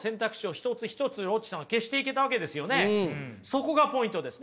そこがポイントです。